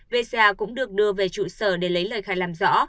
vê cũng được đưa về trụ sở để lấy lời khai làm rõ